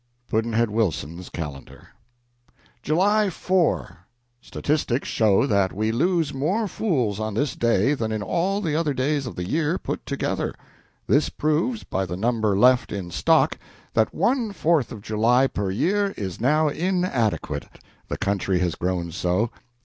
Pudd'nhead Wilson's Calendar. July 4. Statistics show that we lose more fools on this day than in all the other days of the year put together. This proves, by the number left in stock, that one Fourth of July per year is now inadequate, the country has grown so.